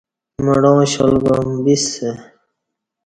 مڑاں شال گعام بِسہ